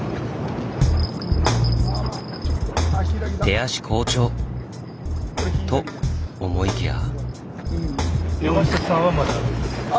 出足好調！と思いきや。